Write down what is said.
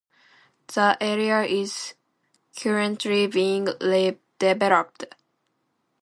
The area is currently being redeveloped.